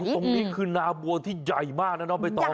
อือตรงนี้คือนาบัวที่ใหญ่มากนะไม่ต้อง